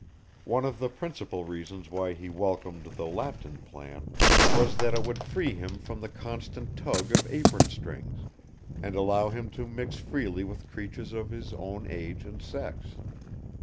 One of the principal reasons why he welcomed the Lapton plan was that it would free him from the constant tug of apron strings, and allow him to mix freely with creatures of his own age and sex.